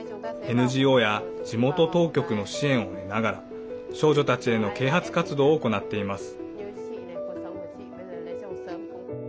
ＮＧＯや地元当局の支援を得ながら少女たちへの啓発活動を行っています。